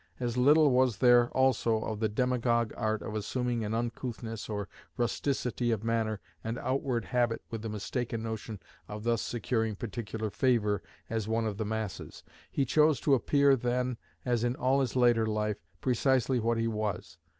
As little was there, also, of the demagogue art of assuming an uncouthness or rusticity of manner and outward habit with the mistaken notion of thus securing particular favor as 'one of the masses.' He chose to appear then, as in all his later life, precisely what he was.